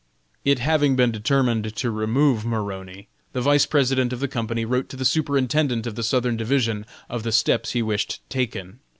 It having been determined to remove Maroney, the Vice President of the company wrote to the Superintendent of the Southern Division of the steps he wished taken.